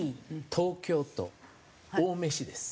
東京都青梅市です。